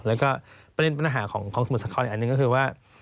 แล้วก็ประเด็นปัญหาของสมุทรสาครอีกอันหนึ่งก็คือว่า